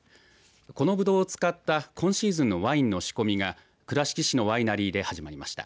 このブドウを使った今シーズンのワインの仕込みが倉敷市のワイナリーで始まりました。